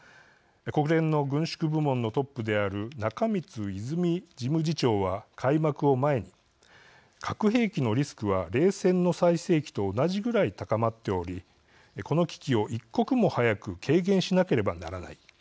国連の軍縮部門のトップである中満泉事務次長は開幕を前に「核兵器のリスクは冷戦の最盛期と同じぐらい高まっておりこの危機を一刻も早く軽減しなければならない。